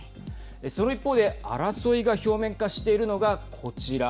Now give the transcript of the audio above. その一方で、争いが表面化しているのがこちら。